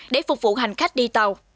để phục vụ hành khách đi tàu